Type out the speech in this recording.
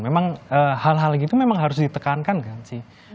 memang hal hal gitu memang harus ditekankan kan sih